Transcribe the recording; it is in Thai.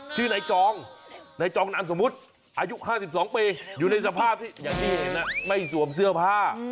ชื่อนายจองนายจองนามสมมุติอายุ๕๒ปีอยู่ในสภาพที่อย่างที่เห็นไม่สวมเสื้อผ้า